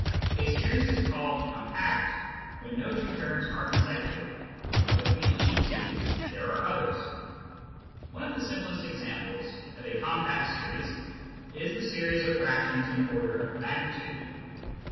A series is called "compact" when no two terms are consecutive, but between any two there are others. One of the simplest examples of a compact series is the series of fractions in order of magnitude.